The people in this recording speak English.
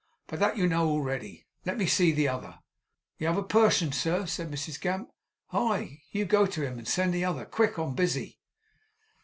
But that you know already. Let me see the other.' 'The t'other person, sir?' said Mrs Gamp. 'Aye! Go you to him and send the other. Quick! I'm busy.